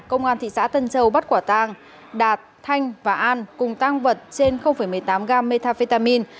công an thị xã tân châu bắt quả tàng đạt thanh và an cùng tăng vật trên một mươi tám gram metafetamin